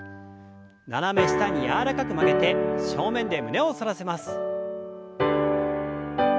斜め下に柔らかく曲げて正面で胸を反らせます。